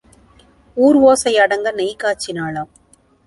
ஊர் ஓசை அடங்க நெய் காய்ச்சினாளாம்.